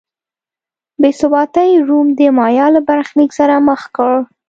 بې ثباتۍ روم د مایا له برخلیک سره مخ کړ.